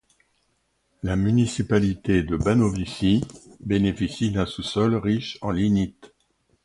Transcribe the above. La municipalité de Banovići bénéficie d'un sous-sol riche en lignite.